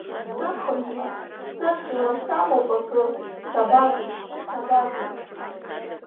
Сырхынҳәуа, сырҵәиуа самоуп акы, сабагои, сабагои?!